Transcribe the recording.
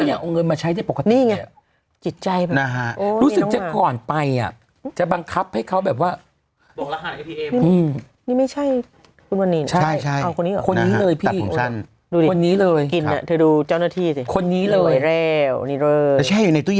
ทำคนเดียวไหมใช่ใช่ไหมเขาบอกว่าแต่เอาเงินไปใช้คนเดียวอยู่ไง